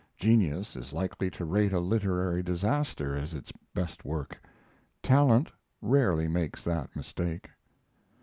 Genius is likely to rate a literary disaster as its best work. Talent rarely makes that mistake.